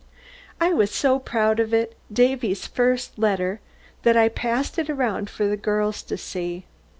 I was so proud of it, Davy's first letter, that I passed it around for the girls to see.